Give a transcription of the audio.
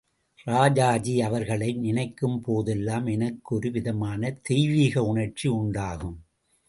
ராஜாஜி அவர்களை நினைக்கும்போதெல்லாம் எனக்கு ஒரு விதமான தெய்வீக உணர்ச்சி உண்டாகும்.